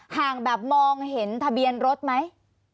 ห่างแบบมองเห็นทะเบียนรถไหม